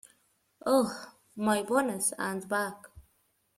Oh, my bones and back!